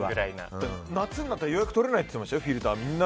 夏になったら予約取れないって言ってましたよ、フィルターの。